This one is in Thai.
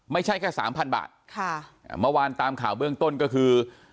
ไม่ใช่แค่สามพันบาทค่ะอ่าเมื่อวานตามข่าวเบื้องต้นก็คือ